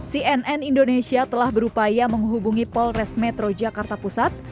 cnn indonesia telah berupaya menghubungi polres metro jakarta pusat